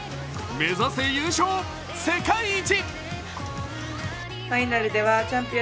目指せ優勝、世界一！